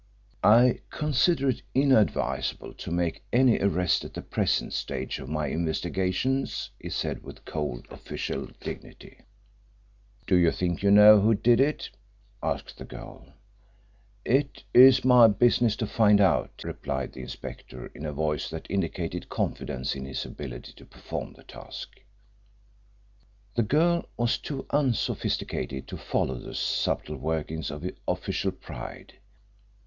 "I consider it inadvisable to make any arrest at the present stage of my investigations," he said, with cold official dignity. "Do you think you know who did it?" asked the girl. "It is my business to find out," replied the inspector, in a voice that indicated confidence in his ability to perform the task. The girl was too unsophisticated to follow the subtle workings of official pride.